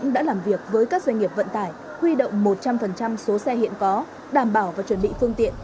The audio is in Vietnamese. đã làm việc với các doanh nghiệp vận tải huy động một trăm linh số xe hiện có đảm bảo và chuẩn bị phương tiện